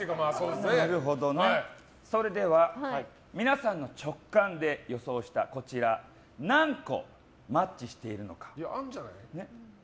それでは皆さんの直感で予想したこちら何個マッチしているのか。